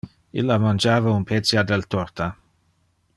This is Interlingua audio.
Illa mangiava un pecia del torta.